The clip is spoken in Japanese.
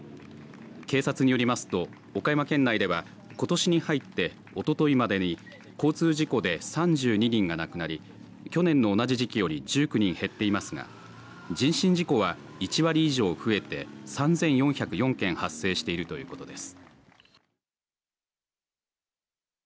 警察によりますと岡山県内ではことしに入って、おとといまでに交通事故で３２人が亡くなり去年の同じ時期より１９人減っていますが人身事故は１割以上増えて３４０４件発生しているということです。